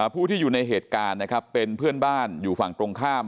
ผู้ที่อยู่ในเหตุการณ์นะครับเป็นเพื่อนบ้านอยู่ฝั่งตรงข้าม